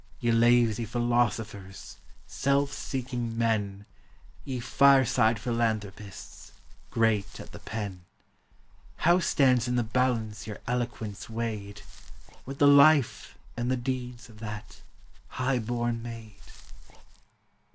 Ye lazy philosophers, self seeking men; Ye fireside philanthropists, great at the pen; How stands in the balance your eloquence weighed With the life and the deeds of that high born maid?